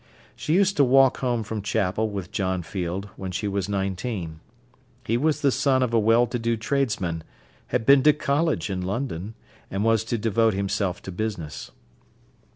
She used to walk home from chapel with John Field when she was nineteen. He was the son of a well to do tradesman, had been to college in London, and was to devote himself to business.